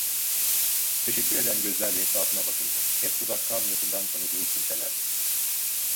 Teşekkür eden gözlerle etrafına bakındı; hep uzaktan yakından tanıdığı kimselerdi.